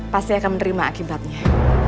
pasti akan menerima akibatnya